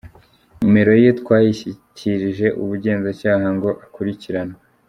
Nimero ye twayishyikirije ubugenzacyaha ngo akurikiranwe.